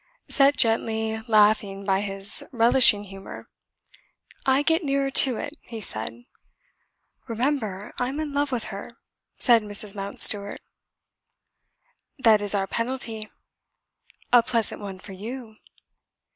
Set gently laughing by his relishing humour. "I get nearer to it," he said. "Remember I'm in love with her," said Mrs. Mountstuart. "That is our penalty." "A pleasant one for you."